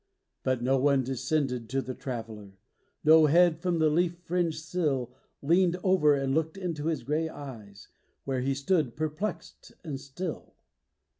But no one descended to the Traveler; No head from the leaf fringed sill Leaned over and looked into his gray eyes, Where he stood perplexed and still.